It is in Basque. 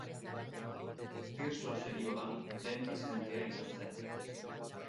Tirso Seriola lehen presidentea izan zen.